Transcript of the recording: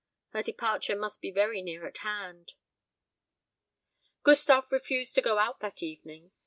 Her departure must be very near at hand. Gustave refused to go out that evening.